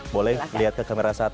boleh lihat ke kamera satu